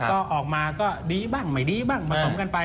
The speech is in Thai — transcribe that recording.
ก็ออกมาก็ดีบ้างไม่ดีบ้างผสมกันไป